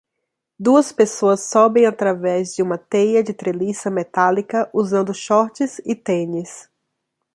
Duas pessoas sobem através de uma teia de treliça metálica usando shorts e tênis.